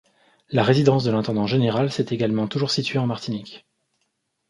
La résidence de l'intendant général s'est également toujours située en Martinique.